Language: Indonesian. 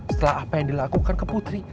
setelah apa yang dilakukan ke putri